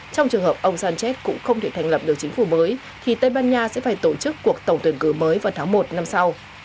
trong trường hợp ông sánchez cũng không thể thành lập được chính phủ mới thì tây ban nha sẽ phải tổ chức cuộc tổng tuyển cử mới vào tháng một năm sau